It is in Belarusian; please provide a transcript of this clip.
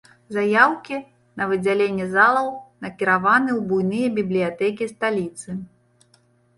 Заяўкі на выдзяленне залаў накіраваны ў буйныя бібліятэкі сталіцы.